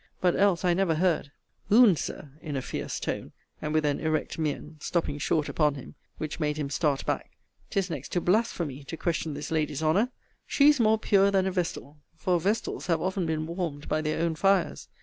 But else, I never heard Oons, Sir, in a fierce tone, and with an erect mien, stopping short upon him, which made him start back 'tis next to blasphemy to question this lady's honour. She is more pure than a vestal; for vestals have often been warmed by their own fires.